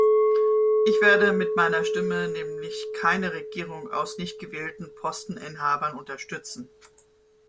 Ich werde mit meiner Stimme nämlich keine Regierung aus nicht gewählten Posteninhabern unterstützen.